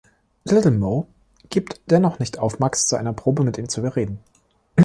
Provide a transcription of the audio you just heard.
Little Mo gibt dennoch nicht auf, Max zu einer Probe mit ihm zu überreden.